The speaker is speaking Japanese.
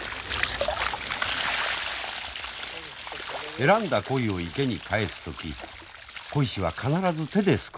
選んだ鯉を池に返す時鯉師は必ず手ですくって放します。